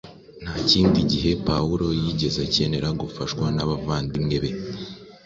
Nta kindi gihe intumwa Pawulo yigeze akenera gufashwa n’abavandimwe be